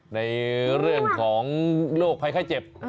ในเรื่องของโรคภัยไข้เจ็บ